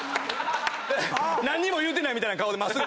何にも言うてないみたいな顔で。